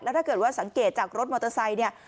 แล้วถ้าเกิดว่าสังเกตจากรถมอเตอร์ไซค์